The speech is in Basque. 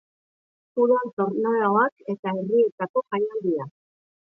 Udan torneoak eta herrietako jaialdiak.